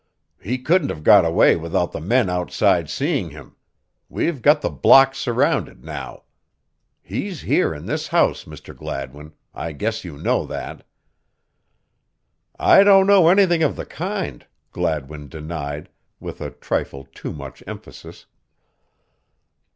"He couldn't have got away without the men outside seeing him. We've got the block surrounded now. He's here in this house, Mr. Gladwin I guess you know that." "I don't know anything of the kind," Gladwin denied, with a trifle too much emphasis.